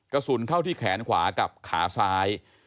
กระสุนเข้าที่แขนขวากับขาซ้าย